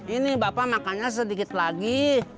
ini bapak makannya sedikit lagi